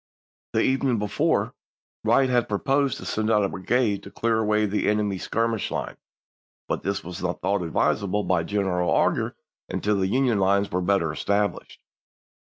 The evening before, Wright had proposed to send out a brigade to clear away the enemy's skirmish line, but this was not thought advisable by General Augur until the Union lines were better established.